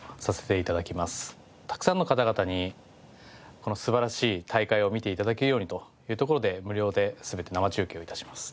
たくさんの方々にこの素晴らしい大会を見て頂けるようにというところで無料で全て生中継を致します。